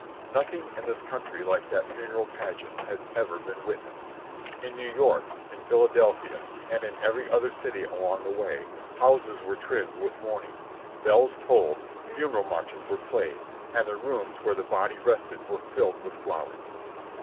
Nothing in this country like that funeral pageant has ever been witnessed. In New York, in Philadelphia, and in every other city along the way, houses were trimmed with mourning, bells tolled, funeral marches were played, and the rooms where the body rested were filled with flowers.